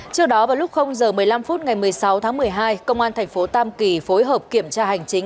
trước đó vào lúc giờ một mươi năm phút ngày một mươi sáu tháng một mươi hai công an thành phố tam kỳ phối hợp kiểm tra hành chính